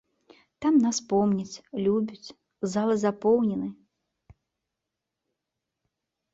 Там нас помняць, любяць, залы запоўнены.